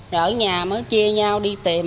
rồi ở nhà mới chia nhau đi tìm